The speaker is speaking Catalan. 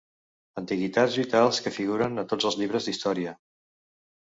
Antiguitats vitals que figuren a tots els llibres d'història.